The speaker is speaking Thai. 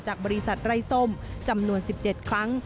บริษัทไร้ส้มจำนวน๑๗ครั้ง